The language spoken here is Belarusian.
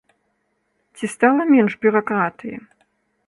Ці стала менш бюракратыі?